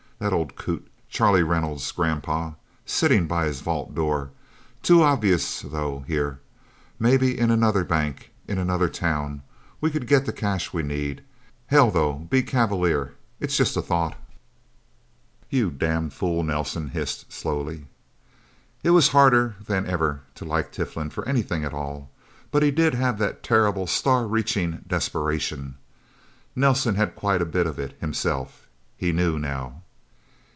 "That old coot, Charlie Reynolds' grandpa, sitting by his vault door. Too obvious, though here. Maybe in another bank in another town. We could get the cash we need. Hell, though be cavalier it's just a thought." "You damned fool!" Nelsen hissed slowly. It was harder than ever to like Tiflin for anything at all. But he did have that terrible, star reaching desperation. Nelsen had quite a bit of it, himself. He knew, now.